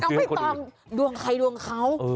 ไม่ต้องดวงใครดวงเขา